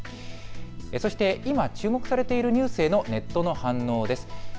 そして今、注目されているニュースへのネットの反応です。